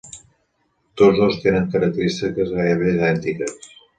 Tots dos tenen característiques gairebé idèntiques.